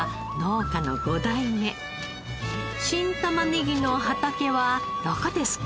新玉ねぎの畑はどこですか？